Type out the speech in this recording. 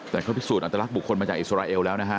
แต่เขาพิสูจนอัตลักษณ์บุคคลมาจากอิสราเอลแล้วนะฮะ